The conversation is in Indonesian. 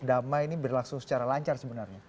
damai ini berlangsung secara lancar sebenarnya